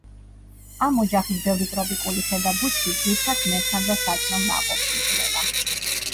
ამ ოჯახის ბევრი ტროპიკული ხე და ბუჩქი ძვირფას მერქანს და საჭმელ ნაყოფს იძლევა.